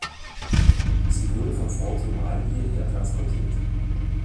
Sie wurde von Forty Mile hierher transportiert.